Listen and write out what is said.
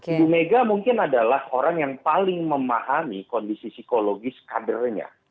ibu mega mungkin adalah orang yang paling memahami kondisi psikologis kadernya